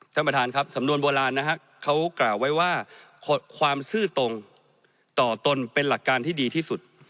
ท่านประธานครับสำนวนโบราณนะฮะเขากล่าวไว้ว่าความซื่อตรงต่อตนเป็นหลักการที่ดีที่สุด